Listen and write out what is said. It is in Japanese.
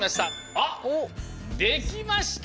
あっできました！